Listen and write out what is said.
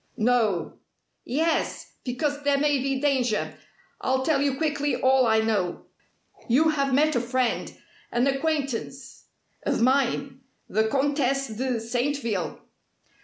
"No!" "Yes. Because there may be danger. I'll tell you quickly all I know. You have met a friend an acquaintance of mine, the Comtesse de Saintville?"